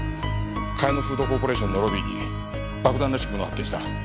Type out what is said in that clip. カヤノフードコーポレーションのロビーに爆弾らしきものを発見した。